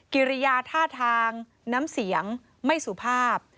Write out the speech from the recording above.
กิริยาท่าทางน้ำเสียงไม่สุภาพ